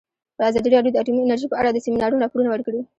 ازادي راډیو د اټومي انرژي په اړه د سیمینارونو راپورونه ورکړي.